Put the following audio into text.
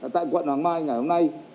tại quận hoàng mai ngày hôm nay